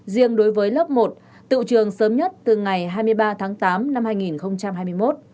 riêng đối với lớp một tự trường sớm nhất từ ngày hai mươi ba tháng tám năm hai nghìn hai mươi một